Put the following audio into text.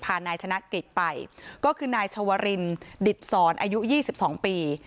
นายชนะกฤษไปก็คือนายชวรินดิตสอนอายุ๒๒ปี